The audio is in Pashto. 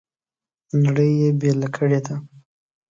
نړۍ یې بېله کړې ده.